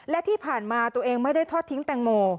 และที่ผ่านมาตัวเองไม่ได้ทอดทิ้งแตงโม